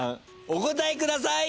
お答えください！